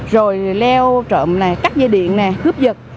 rồi leo trộm nè cắt dây điện nè cướp vật